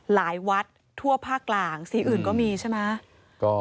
หลายวัดทั่วภาคกลางสีอื่นก็มีใช่ไหม